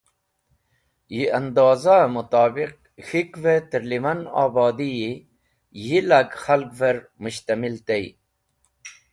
Yi anozahe mutobiq K̃hikve tirliman Obodiyi Yi lag khalver Mshtamil tey.